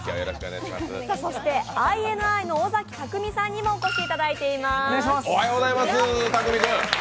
ＩＮＩの尾崎匠海さんにもお越しいただいています。